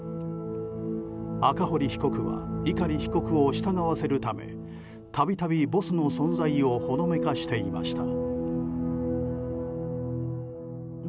赤堀被告は碇被告を従わせるため度々、ボスの存在をほのめかしていました。